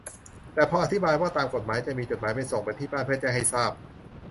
แต่พออธิบายว่าตามกฎหมายจะมีจดหมายส่งไปที่บ้านเพื่อแจ้งให้ทราบ